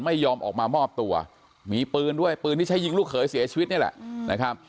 ไม่ยอมออกมามอบตัวมีปืนด้วยปืนที่ใช้ยิงลูกเขยเสียชีวิตนี่แหละนะครับ